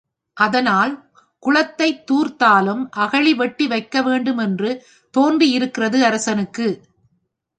அதனால் குளத்தைத் தூர்த்தாலும் அகழி வெட்டி வைக்கவேண்டும் என்று தோன்றியிருக்கிறது அரசனுக்கு.